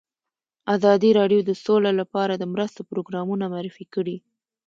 ازادي راډیو د سوله لپاره د مرستو پروګرامونه معرفي کړي.